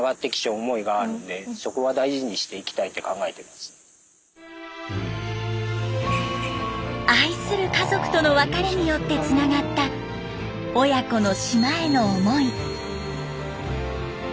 やはり愛する家族との別れによってつながった親子の島への思い。